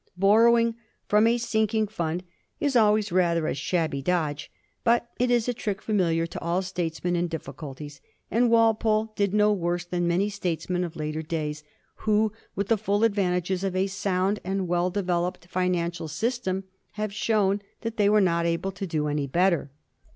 Borrowing fi^om a sinking fund is always rather a shabby dodge ; but it is a trick familiar to all states men in difficulties, and Walpole did no worse than many statesmen of later days, who, with the full advantages of a sound and weU developed financial system, have shown that they were not able to do any better.